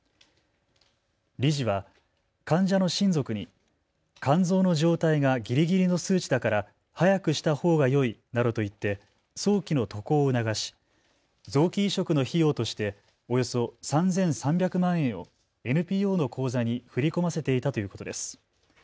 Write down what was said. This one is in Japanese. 理事は患者の親族に肝臓の状態がぎりぎりの数値だから早くしたほうがよいなどと言って早期の渡航を促し臓器移植の費用としておよそ３３００万円をＮＰＯの口座に振り込ませていたということです。